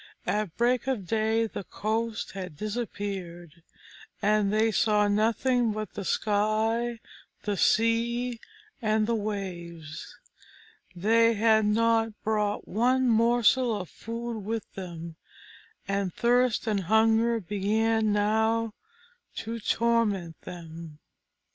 At break of day the coast had disappeared, and they saw nothing but the sky, the sea, and the waves. They had not brought one morsel of food with them, and thirst and hunger began now to torment them.